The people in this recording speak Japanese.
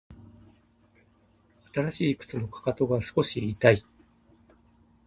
新しい靴のかかとが少し痛い